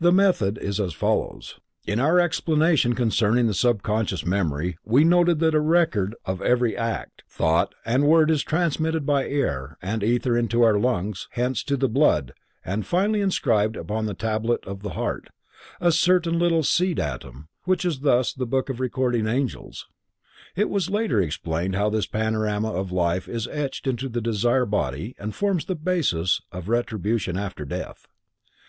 The method is as follows: In our explanation concerning the sub conscious memory we noted that a record of every act, thought and word is transmitted by air and ether into our lungs, thence to the blood, and finally inscribed upon the tablet of the heart:—a certain little seedatom, which is thus the book of Recording Angels. It was later explained how this panorama of life is etched into the desire body and forms the basis of retribution after death.